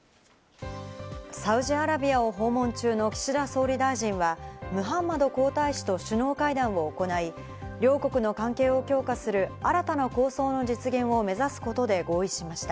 サウジアラビアを訪問中の岸田総理大臣はムハンマド皇太子と首脳会談を行い、両国の関係を強化する新たな構想の実現を目指すことで合意しました。